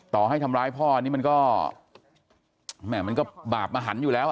ต่อให้ทำร้ายพ่อนี่มันก็แม่มันก็บาปมหันอยู่แล้ว